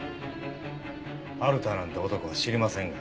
春田なんて男は知りませんが。